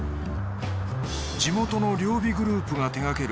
地元の両備グループが手がける